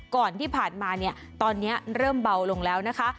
ก่อนที่ผ่านมาเนี่ยตอนนี้เริ่มเบาลงแล้วนะคะ